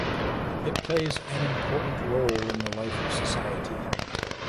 It plays an important role in the life of society.